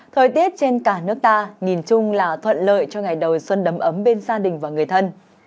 thời tiết trên cả nước ta nhìn chung là thuận lợi cho ngày đầu xuân đấm ấm bên gia đình và người thân